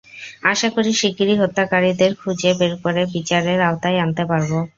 আশা করি, শিগগিরই হত্যাকারীদের খুঁজে বের করে বিচারের আওতায় আনতে পারব।